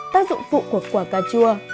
tác dụng phụ của quả cà chua